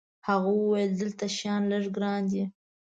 هغه وویل: دلته شیان لږ ګران دي.